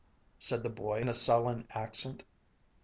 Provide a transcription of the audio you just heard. said the boy in a sullen accent.